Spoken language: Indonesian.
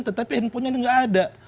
tetapi handphonenya tidak ada